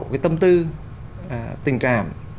cái tâm tư tình cảm